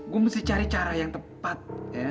gue mesti cari cara yang tepat